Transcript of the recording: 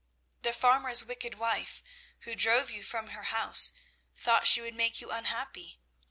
The farmer's wicked wife, who drove you from her house, thought she would make you unhappy.